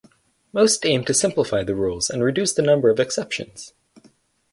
Most aim to simplify the rules and reduce the number of exceptions.